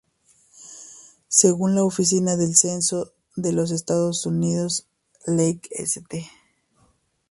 Según la Oficina del Censo de los Estados Unidos, Lake St.